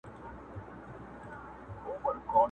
د کسبونو جایدادونو ګروېږني٫